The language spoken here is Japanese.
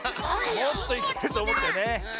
もうちょっといけるとおもったよね。